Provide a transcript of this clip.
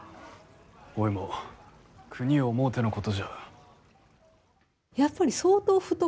おいも、国を思うてのことじゃ。